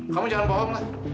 kamu jangan bohong lah